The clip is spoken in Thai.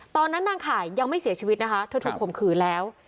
ตอนนั้นนางข่ายยังไม่เสียชีวิตนะคะเธอถูกข่มขืนแล้ว